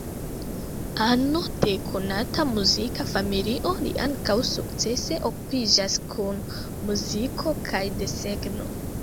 Ano de konata muzika familio, li ankaŭ sukcese okupiĝas kun muziko kaj desegno.